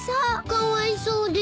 かわいそうです。